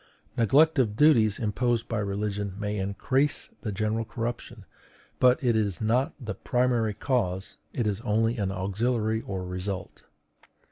Neglect of duties imposed by religion may increase the general corruption, but it is not the primary cause; it is only an auxiliary or result.